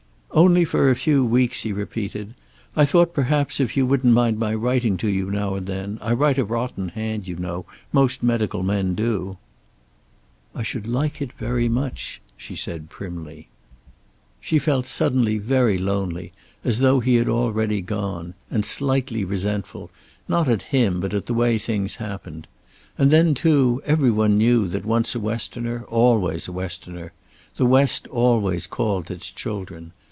"Only for a few weeks," he repeated. "I thought perhaps, if you wouldn't mind my writing to you, now and then I write a rotten hand, you know. Most medical men do." "I should like it very much," she said, primly. She felt suddenly very lonely, as though he had already gone, and slightly resentful, not at him but at the way things happened. And then, too, everyone knew that once a Westerner always a Westerner. The West always called its children.